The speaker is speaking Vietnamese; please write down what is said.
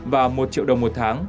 và một triệu đồng một tháng